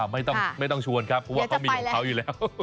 ไม่ต้องชวนครับเพราะว่าเขามีของเขาอยู่แล้ว